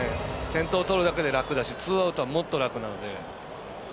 先頭をとるだけで楽だしツーアウトは、もっと楽なので。